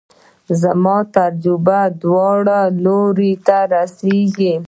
زما تجربه دواړو لورو ته رسېږي.